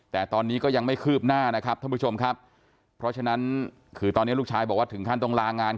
แต่ตอนนี้ก็ยังไม่คืบหน้านะครับท่านผู้ชมครับเพราะฉะนั้นคือตอนนี้ลูกชายบอกว่าถึงขั้นต้องลางาน